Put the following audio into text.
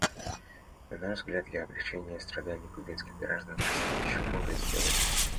На наш взгляд, для облегчения страданий кубинских граждан предстоит еще многое сделать.